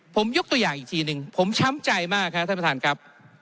ผมยกตัวอย่างอีกทีหนึ่งผมช้ำใจมากครับท่านประธานครับ